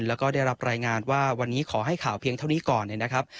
แล้วก็ได้รับรายงานว่าวันนี้ขอให้ข่าวเพียงเท่านี้ก่อนนะครับ